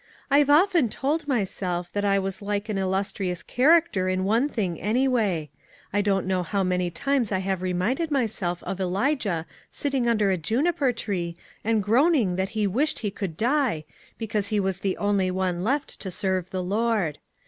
" I've often told myself that I was like an illustrious character in one tiling, anyway. I don't know how many times I have reminded myself of Elijah sitting under a juniper tree, and groaning that he wished he could die, because he was the only one left to serve the Lord.